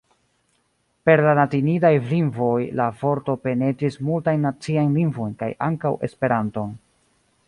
Per la latinidaj lingvoj la vorto penetris multajn naciajn lingvojn kaj ankaŭ Esperanton.